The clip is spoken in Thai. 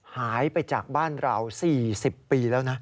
หายไปจากบ้านเรา๔๐ปีแล้วนะ